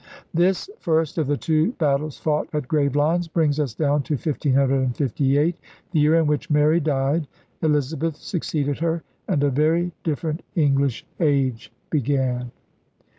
This first of the two battles fought at Gravelines brings us down to 1558, the year in which Mary died, Elizabeth succeeded her, and a very different English age began.